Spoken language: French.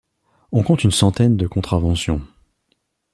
On compte une centaine de contraventions.